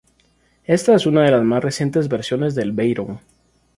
Esta es una de las más recientes versiones del Veyron.